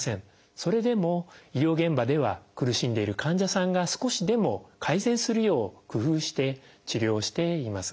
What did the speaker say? それでも医療現場では苦しんでいる患者さんが少しでも改善するよう工夫して治療しています。